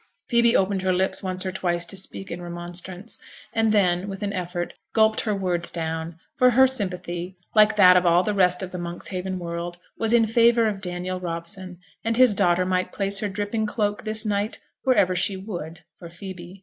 Phoebe opened her lips once or twice to speak in remonstrance, and then, with an effort, gulped her words down; for her sympathy, like that of all the rest of the Monkshaven world, was in favour of Daniel Robson; and his daughter might place her dripping cloak this night wherever she would, for Phoebe.